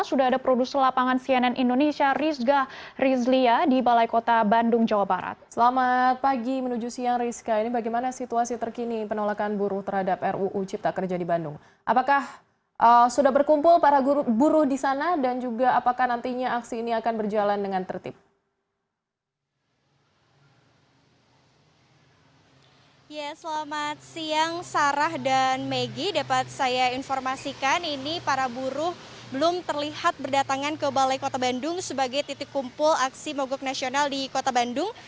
ya selamat siang sarah dan maggie dapat saya informasikan ini para buruh belum terlihat berdatangan ke balai kota bandung sebagai titik kumpul aksi mogok nasional di kota bandung